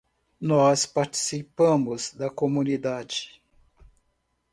Nós participamos da comunidade.